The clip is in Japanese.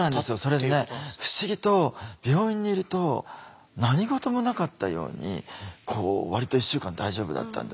それでね不思議と病院にいると何事もなかったように割と１週間大丈夫だったんですよ。